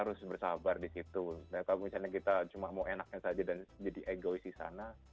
harus bersabar di situ kalau misalnya kita cuma mau enaknya saja dan jadi egois di sana